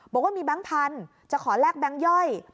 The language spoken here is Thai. บอกว่ามีแบงค์พันธุ์จะขอแลกแบงค์ย่อย